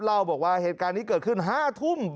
เล่าบอกว่าเหตุการณ์นี้เกิดขึ้น๕ทุ่ม